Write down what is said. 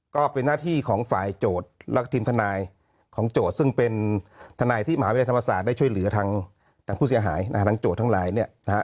ก็เป็นหน้าที่ของฝ่ายโจทย์แล้วก็ทีมทนายของโจทย์ซึ่งเป็นทนายที่มหาวิทยาลัยธรรมศาสตร์ได้ช่วยเหลือทางผู้เสียหายนะฮะทางโจทย์ทั้งหลายเนี่ยนะฮะ